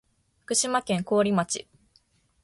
福島県桑折町